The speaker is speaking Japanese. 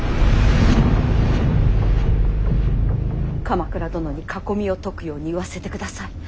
鎌倉殿に囲みを解くように言わせてください。